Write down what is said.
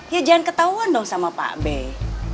ya jangan ketahuan dong sama pak bey